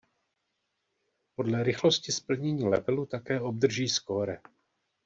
Podle rychlosti splnění levelu také obdrží skóre.